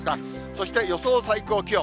そして予想最高気温。